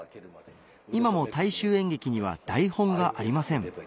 今も大衆演劇には台本がありません